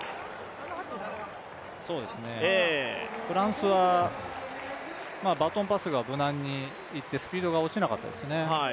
フランスはバトンパスが無難にいって、スピードが落ちなかったですね。